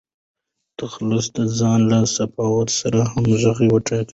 تخلص د ځان له صفاتو سره همږغى وټاکئ!